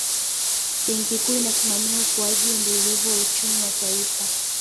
benki kuu inasimamia ukuaji endelevu wa uchumi wa taifa